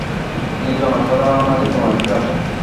তিনি জনসাধারণের মাঝে পুনরায় ফিরে আসেন।